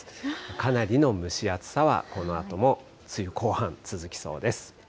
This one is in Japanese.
かなりの蒸し暑さは、このあとも梅雨後半、続きそうです。